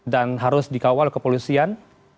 dan harus dikawal kepolisian